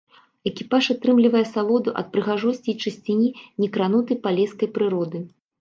Экіпаж атрымлівае асалоду ад прыгажосці і чысціні некранутай палескай прыроды.